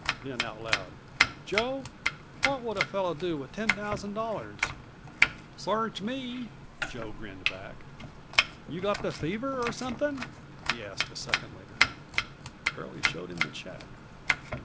Then out loud: "Joe, what would a fellow do with ten thousand dollars?" "Search me," Joe grinned back. "You got the fever or something?" he asked a second later. Curlie showed him the check.